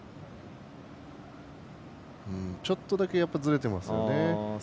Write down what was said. ちょっとだけずれてますね。